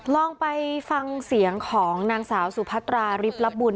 ลองไปฟังเสียงของนางสาวสุพัตราริบลับบุญ